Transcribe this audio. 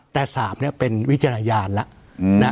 แต่๓เป็นวิจารณญาณแล้ว